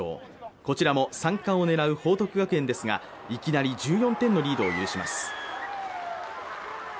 こちらも３冠を狙う報徳学園ですがいきなり１４点のリードを許します。